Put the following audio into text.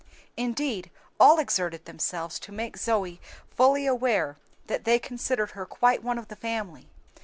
Indeed all exerted themselves to make Zoe fully aware that they considered her quite one of the family.